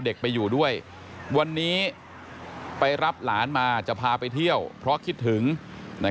อย่าอย่าอย่าอย่าอย่าอย่าอย่าอย่าอย่าอย่าอย่าอย่าอย่าอย่า